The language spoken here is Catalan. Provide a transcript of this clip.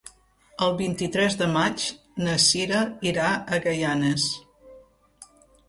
El vint-i-tres de maig na Sira irà a Gaianes.